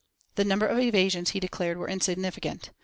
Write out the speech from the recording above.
The number of evasions, he declared, was insignificant.